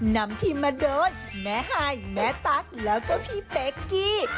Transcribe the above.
นำทีมมาโดยแม่ฮายแม่ตั๊กแล้วก็พี่เป๊กกี้